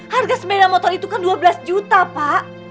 harga sepeda motor itu kan dua belas juta pak